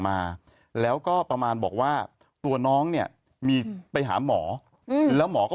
ใช่ขี้โดดบินถามว่าปกติคืออย่างเวลาเราไปเช็ค